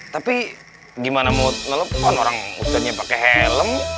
tapi gimana mau telepon orang ustadznya pakai helm